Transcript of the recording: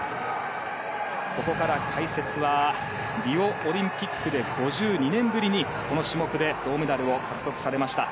ここから解説はリオオリンピックで５２年ぶりにこの種目で銅メダルを獲得されました